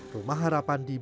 rumah harapan di bandung